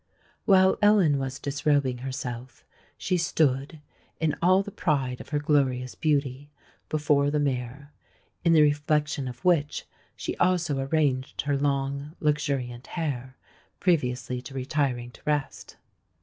While Ellen was disrobing herself, she stood, in all the pride of her glorious beauty, before the mirror; in the reflection of which she also arranged her long, luxuriant hair previously to retiring to rest.